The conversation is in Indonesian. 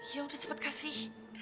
yaudah cepet kasih